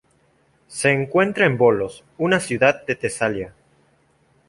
Se encuentra en Volos, una ciudad de Tesalia.